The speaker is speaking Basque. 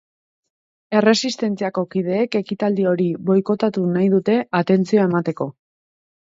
Erresistentziako kideek ekitaldi hori boikotatu nahi dute atentzioa emateko.